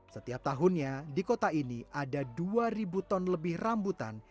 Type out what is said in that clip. setiap tahunnya di kota ini ada dua ribu ton lebih rambutan